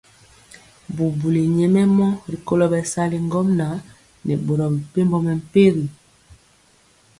Bubuli nyɛmemɔ rikolo bɛsali ŋgomnaŋ nɛ boro mepempɔ mɛmpegi.